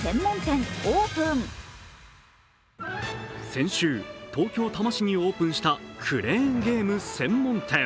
先週、東京・多摩市にオープンしたクレーンゲーム専門店。